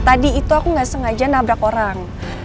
tadi itu aku nggak sengaja nabrak orang